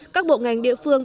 các bộ ngành địa phương